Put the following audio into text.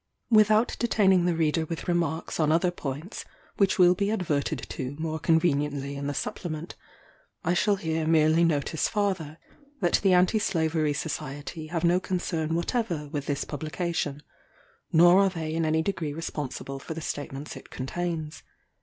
Without detaining the reader with remarks on other points which will be adverted to more conveniently in the Supplement, I shall here merely notice farther, that the Anti Slavery Society have no concern whatever with this publication, nor are they in any degree responsible for the statements it contains.